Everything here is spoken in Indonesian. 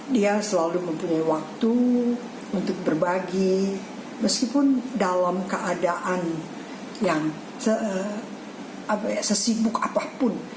dia selalu mempunyai waktu untuk berbagi meskipun dalam keadaan yang sesibuk apapun